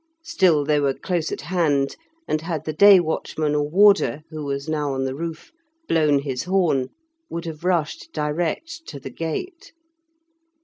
Still they were close at hand, and had the day watchman or warder, who was now on the roof, blown his horn, would have rushed direct to the gate.